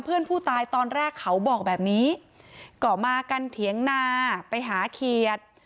เพื่อนผู้ตายตอนแรกเขาบอกแบบนี้ก็มากันเถียงนาไปหาเขียด